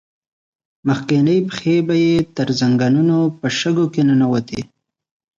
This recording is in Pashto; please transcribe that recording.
مخکينۍ پښې به يې تر زنګنو په شګو کې ننوتې.